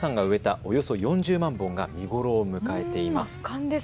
およそ４０万本が見頃を迎えています。